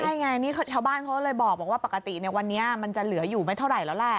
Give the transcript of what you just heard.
ใช่ไงนี่ชาวบ้านเขาเลยบอกว่าปกติวันนี้มันจะเหลืออยู่ไม่เท่าไหร่แล้วแหละ